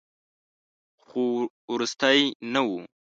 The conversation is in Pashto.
خو وروستۍ نه وه.